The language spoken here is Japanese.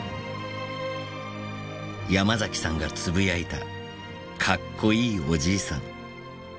ヤマザキさんがつぶやいた「カッコいいおじいさん」。